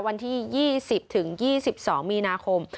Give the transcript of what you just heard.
วันที่๒๐ถึง๒๒มีนาคม